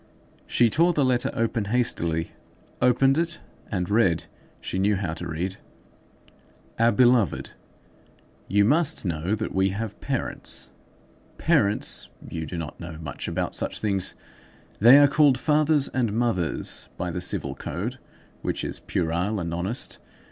She tore the letter open hastily, opened it, and read [she knew how to read]:— "OUR BELOVED:— "You must know that we have parents. Parents—you do not know much about such things. They are called fathers and mothers by the civil code, which is puerile and honest.